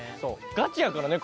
ガチやからね